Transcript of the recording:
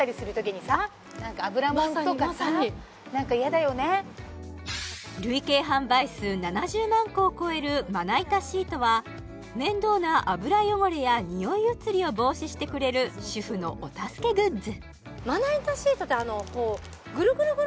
まさにまさに累計販売数７０万個を超えるまな板シートは面倒な油汚れや臭い移りを防止してくれる主婦のお助けグッズ